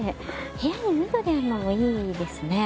部屋に緑あるのもいいですね。